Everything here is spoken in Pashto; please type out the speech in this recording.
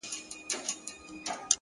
ژړا مي وژني د ژړا اوبـو تـه اور اچـوي’